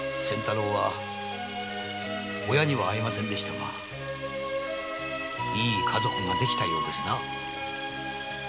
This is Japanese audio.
仙太郎は親には会えませんでしたがいい家族ができたようですな。